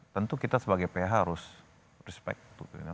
tentu kita sebagai ph harus respect